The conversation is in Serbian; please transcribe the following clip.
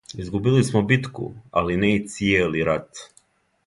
Изгубили смо битку, али не и цијели рат.